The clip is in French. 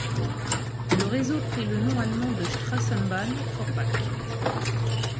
Le réseau pris le nom allemand de Straßenbahn Forbach.